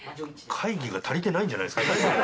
会議が足りてないんじゃないですか？